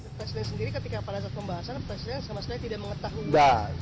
presiden sendiri ketika pada saat pembahasan presiden tidak mengetahui